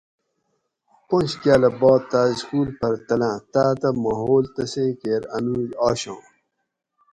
پنج کاۤلہ بعد تاۤس سکول پھر تلاۤں تاۤتاں ماحول تسیں کیر انوج آشاں